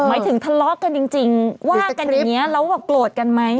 หมายถึงทะเลาะกันจริงว่ากันอย่างนี้แล้วโกรธกันไหม